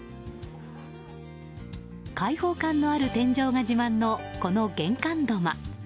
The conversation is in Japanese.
開放感のある天井が自慢のこの玄関土間。